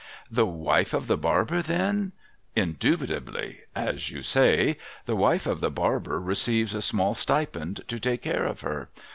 ' The wife of the barber, then ?'' Indubitably. As you say. The wife of the barber receives a small stipend to take care of her.